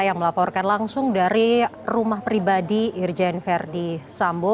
yang melaporkan langsung dari rumah pribadi irjen ferdisambo